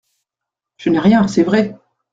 Je n’ai rien, c’est vrai !